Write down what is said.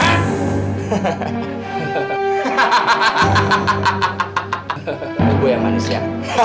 itu gue yang manis ya